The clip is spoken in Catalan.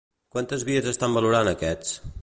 Quantes vies estan valorant aquests?